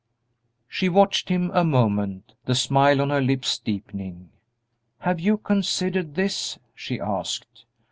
She watched him a moment, the smile on her lips deepening. "Have you considered this?" she asked.